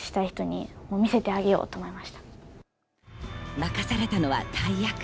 任されたのは大役。